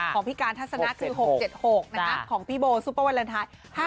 ของพี่การทัศนะคือ๖๗๖ของพี่โบซุปเปอร์วาเลนไทย